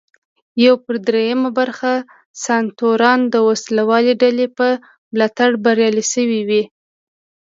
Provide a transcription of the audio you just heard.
یو پر درېیمه برخه سناتوران د وسله والې ډلې په ملاتړ بریالي شوي وي.